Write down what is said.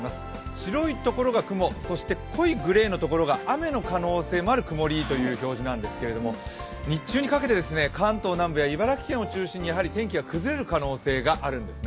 白いところが雲、濃いグレーのところが雨の可能性もある曇りという表示ですが日中にかけて関東南部や茨城県を中心に天気が崩れる可能性があるんですね。